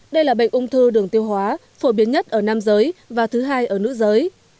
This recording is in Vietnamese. đây là bệnh ung thư đường tiêu hóa phổ biến nhất ở nam giới và thứ hai ở nữ giới